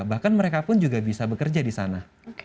bahkan mereka pun juga bisa bekerja di sana